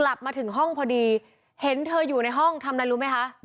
กลับมาถึงห้องพอดีเห็นเธออยู่ในห้องทำอะไรรู้ไหมคะ